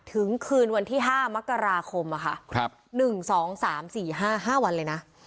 ถึงคืนวันที่ห้ามกราคมอะค่ะครับหนึ่งสองสามสี่ห้าห้าวันเลยน่ะ